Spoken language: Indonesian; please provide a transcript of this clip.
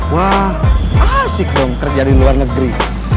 wah asik dong kerja di luar negeri